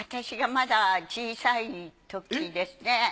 私がまだ小さいときにですね